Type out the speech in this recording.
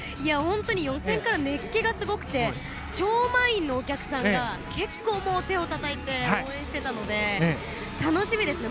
予選から熱気がすごくて超満員のお客さんが結構手をたたいて応援していたので楽しみですね。